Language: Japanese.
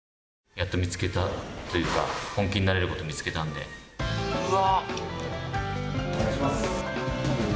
やっと見つけたというか本気になれること見つけたんでうわ